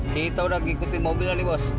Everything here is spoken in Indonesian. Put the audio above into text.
kita udah ngikutin mobilnya nih bos